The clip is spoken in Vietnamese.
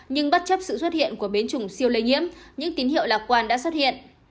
nhưng bất chấp sự xuất hiện của biến chủng siêu lây nhiễm những tín hiệu lạc quan đã xuất hiện